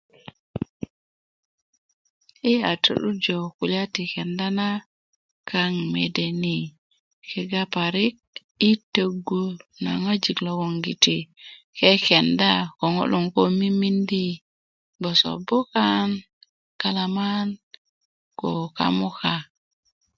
yi a to'durjö kulya ti kenda na kaŋ mede ni kega parik i tögo na ŋojik logongiti kekenda ko ŋo loŋ ko mimindi bgoso bukan galaman ko kamuka